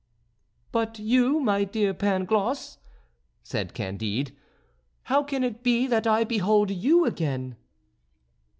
"But you, my dear Pangloss," said Candide, "how can it be that I behold you again?"